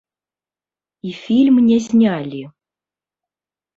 І фільм не знялі.